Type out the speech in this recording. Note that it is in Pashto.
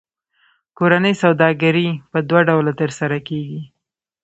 کورنۍ سوداګري په دوه ډوله ترسره کېږي